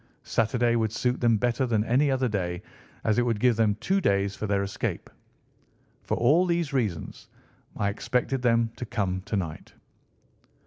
Saturday would suit them better than any other day, as it would give them two days for their escape. For all these reasons I expected them to come to night."